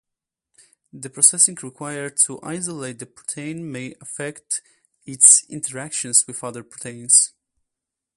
The processing required to isolate the protein may affect its interactions with other proteins.